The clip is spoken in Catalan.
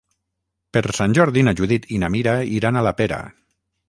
Per Sant Jordi na Judit i na Mira iran a la Pera.